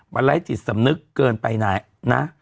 บรรไลท์จิตสำนึกเกินไปไหนนะ